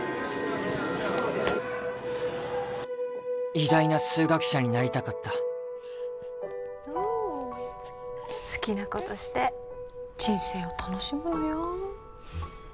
偉大な数学者になりたかった好きなことして人生を楽しむのよ